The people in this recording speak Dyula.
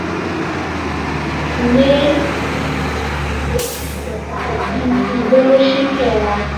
Ne boloci kɛra walasa ka banakisɛw bali